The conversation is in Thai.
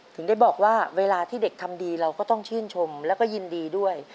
ถึงได้บอกว่าเวลาที่เด็กทำดีเราก็ต้องชื่นชมแล้วก็ยินดีด้วย